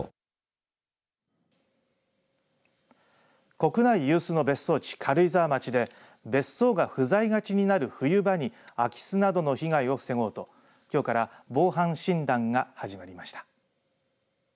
国内有数の別荘地、軽井沢町で別荘が不在がちになる冬場に空き巣などの被害を防ごうときょうから防犯診断が始まりました。